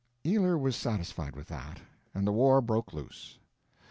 Ealer was satisfied with that, and the war broke loose.